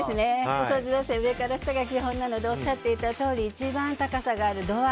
掃除は上から下が基本なのでおっしゃっていたとおり一番高さがあるドア